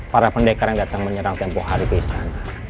para pendekar yang datang menyerang tempoh hari ke istana